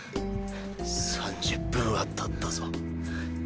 ３０分は経ったぞ